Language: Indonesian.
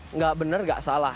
enggak benar enggak salah